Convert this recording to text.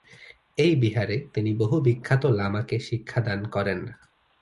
এই বিহারে তিনি বহু বিখ্যাত লামাকে শিক্ষাদান করেন।